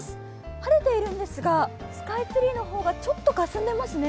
晴れているんですがスカイツリーの方がちょっとかすんでますね。